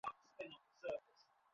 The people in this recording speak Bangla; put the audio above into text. ওই বাষ্প বন্ধ করার আর কোনো উপায় নেই।